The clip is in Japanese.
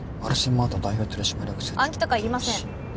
マート代表取締役社長暗記とかいりません